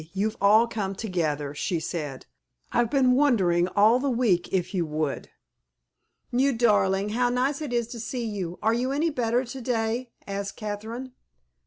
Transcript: You've all come together," she said. "I've been wondering all the week if you would." "You darling, how nice it is to see you! Are you any better to day?" asked Catherine.